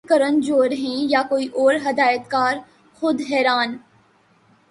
یہ کرن جوہر ہیں یا کوئی اور ہدایت کار خود حیران